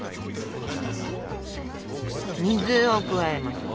水を加えましょう。